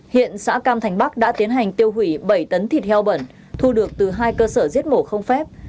hiện xã cam thành bắc đã tiến hành tiêu hủy bảy tấn thịt heo bẩn thu được từ hai cơ sở giết mổ không phép